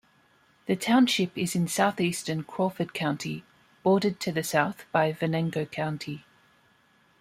The township is in southeastern Crawford County, bordered to the south by Venango County.